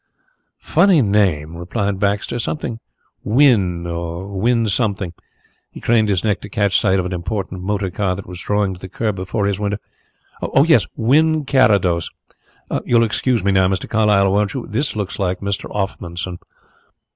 "Funny name," replied Baxter. "Something Wynn or Wynn something." He craned his neck to catch sight of an important motor car that was drawing to the kerb before his window. "Wynn Carrados! You'll excuse me now, Mr. Carlyle, won't you? This looks like Mr. Offmunson."